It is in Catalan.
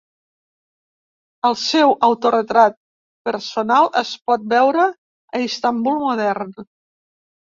El seu autoretrat personal es pot veure a Istanbul Modern.